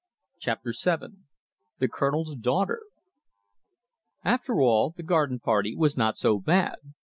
CHAPTER VII THE COLONEL'S DAUGHTER After all, the garden party was not so bad.